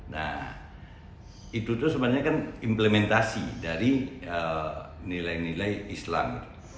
nah itu tuh sebenarnya kan implementasi dari nilai nilai islam